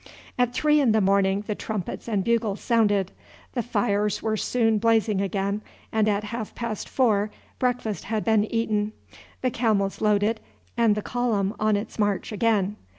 At three in the morning the trumpets and bugles sounded. The fires were soon blazing again, and at half past four breakfast had been eaten, the camels loaded, and the column on its march again.